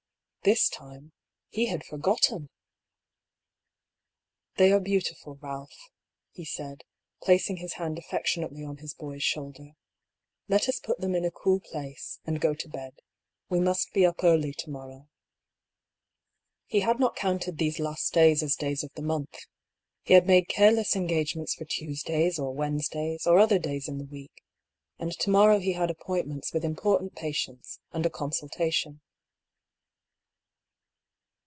This time — he had forgotten !" They are beautiful, Balph," he said, placing his hand affectionately on his boy's shoulder. " Let us put THE BEGINNING OP THE SEQUEL. 185 them in a cool place, and go to bed. We must be up early to morrow." He had not counted these last days as days of the month. He had made careless engagements for Tues days or Wednesdays, or other days in the week ; and to morrow he had appointments with important patients, and a consultation.